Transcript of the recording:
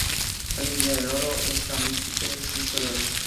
Hoy en día el oro, está mixtape es disco de oro.